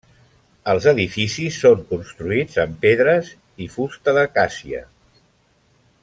Els edificis són construïts amb pedres i de fusta d'acàcia.